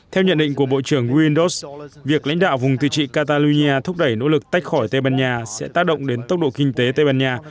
theo nhận định của bộ trưởng windos việc lãnh đạo vùng tự trị catalonia thúc đẩy nỗ lực tách khỏi tây ban nha sẽ tác động đến tốc độ kinh tế tây ban nha